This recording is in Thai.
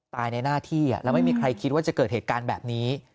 ในหน้าที่แล้วไม่มีใครคิดว่าจะเกิดเหตุการณ์แบบนี้